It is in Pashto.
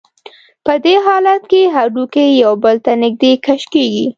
په دې حالت کې هډوکي یو بل ته نږدې کش کېږي.